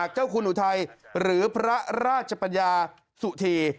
เจ้าคุณอุทัยหรือพระราชปัญญาสุธี